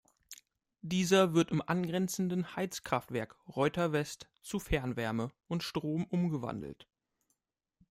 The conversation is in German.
Dieser wird im angrenzenden Heizkraftwerk Reuter West zu Fernwärme und Strom umgewandelt.